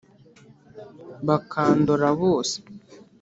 bakandora bose